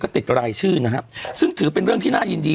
ติดรายชื่อนะครับซึ่งถือเป็นเรื่องที่น่ายินดี